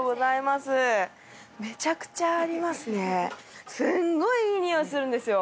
すごいいい匂いするんですよ。